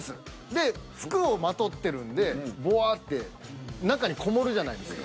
で服をまとってるんでぶわって中に籠もるじゃないですか。